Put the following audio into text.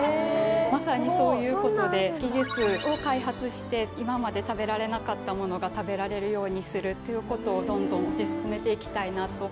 まさにそういうことで技術を開発して今まで食べられなかったものが食べられるようにするっていうことをどんどん推し進めていきたいなと。